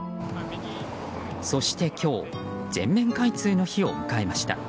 そして今日全面開通の日を迎えました。